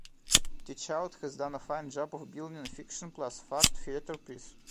Teachout has done a fine job of building a fiction-plus-fact theater piece.